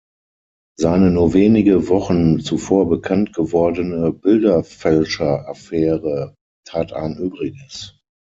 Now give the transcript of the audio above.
Seine nur wenige Wochen zuvor bekannt gewordene Bilderfälscher-Affaire tat ein Übriges.